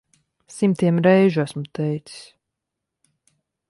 Simtiem reižu esmu teicis.